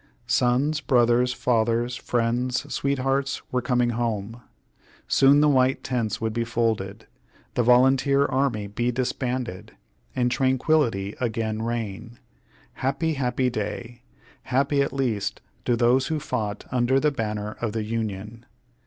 Sons, brothers, fathers, friends, sweethearts were coming home. Soon the white tents would be folded, the volunteer army be disbanded, and tranquillity again reign. Happy, happy day! happy at least to those who fought under the banner of the Union.